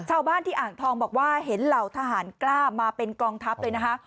ชาวบ้านที่อ่างทองบอกว่าเห็นเหล่าทหารกล้ามาเป็นกองทัพเลยนะคะ